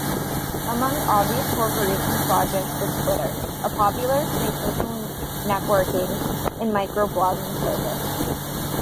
Among Obvious Corporation's projects was Twitter, a popular, free social networking and micro-blogging service.